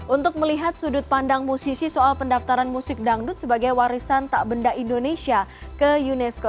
untuk melihat sudut pandang musisi soal pendaftaran musik dangdut sebagai warisan tak benda indonesia ke unesco